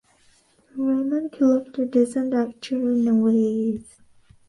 The Raymond character doesn't actually know where he is.